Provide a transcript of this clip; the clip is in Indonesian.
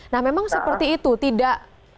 nah memang seperti itu tidak